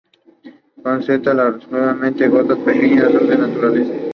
Consta de relativamente gotas pequeñas, luz en naturaleza.